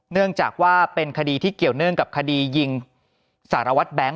เนื่องจากว่าเป็นคดีที่เกี่ยวเนื่องกับคดียิงสารวัตรแบงค